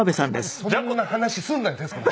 そんな話すんなよ